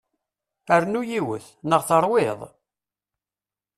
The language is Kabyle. Rnu yiwet, neɣ terwiḍ?